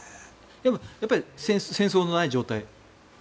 でもやっぱり、戦争のない状態。